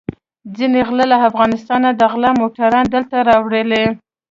ځينې غله له افغانستانه د غلا موټران دلته راولي.